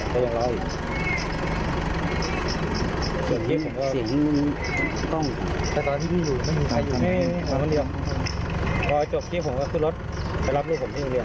พอจบคลิปผมก็ขึ้นรถไปรับรูปผมที่อุเรียน